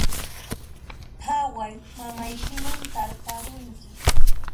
Phaway, mamaykiman tarparunki